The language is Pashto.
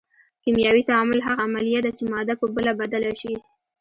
کیمیاوي تعامل هغه عملیه ده چې ماده په بله بدله شي.